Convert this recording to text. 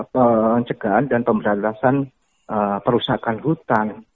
pencegahan dan pemberantasan perusakan hutan